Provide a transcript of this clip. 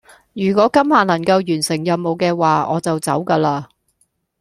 如果今晚能夠完成任務嘅話，我就走架喇